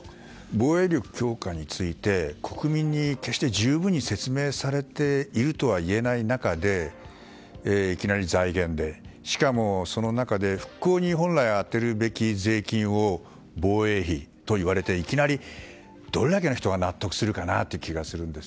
防衛力強化について国民に十分に説明されているとは言えない中で、いきなり財源でしかもその中で復興に本来充てるべき税金を防衛費といわれていきなりどれだけの人が納得するかなという気がするんです。